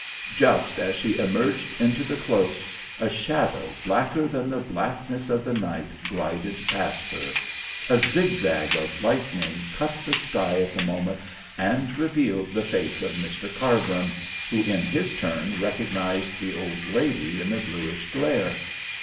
Just as she emerged into the close, a shadow blacker than the blackness of the night glided past her. A zig zag of lightning cut the sky at the moment and revealed the face of Mr Cargrim, who in his turn recognised the old lady in the bluish glare.